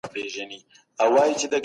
د تاریخ د مطالعې اهمیت په هر ځای کي سته.